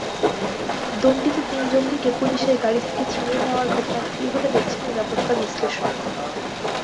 দণ্ডিত তিন জঙ্গিকে পুলিশের গাড়ি থেকে ছিনিয়ে নেওয়ার ঘটনাকে কীভাবে দেখছেন নিরাপত্তা বিশ্লেষকেরা।